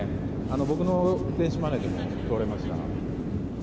僕の電子マネーでも通れました。